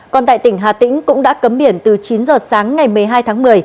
còn tại tỉnh hà tĩnh cũng đã cấm biển từ chín giờ sáng ngày một mươi hai tháng một mươi